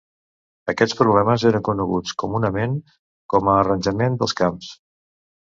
Aquests problemes eren coneguts comunament com a Arranjament dels Camps.